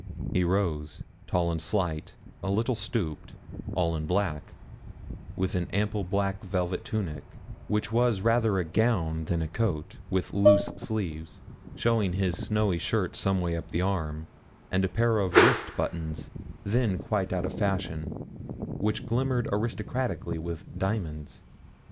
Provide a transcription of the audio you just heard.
He rose, tall and slight, a little stooped, all in black, with an ample black velvet tunic, which was rather a gown than a coat, with loose sleeves, showing his snowy shirt some way up the arm, and a pair of wrist buttons, then quite out of fashion, which glimmered aristocratically with diamonds.